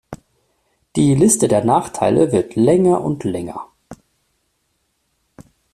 Die Liste der Nachteile wird länger und länger.